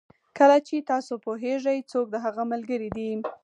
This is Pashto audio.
کله چې تاسو پوهېږئ څوک د هغه ملګري دي.